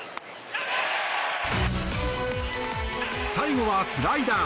最後はスライダー。